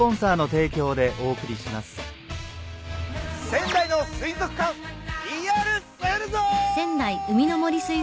仙台の水族館ＰＲするぞ！